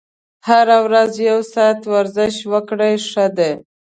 هره ورځ یو ساعت ورزش وکړئ ښه ده.